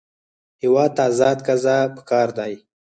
هېواد ته ازاد قضا پکار دی